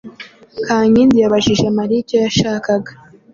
Kankindi yabajije Mariya icyo yashakaga.